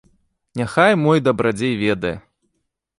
Няхай мой дабрадзей ведае.